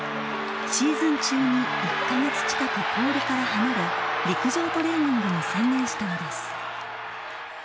シーズン中に１か月近く氷から離れ、陸上トレーニングに専念したのです。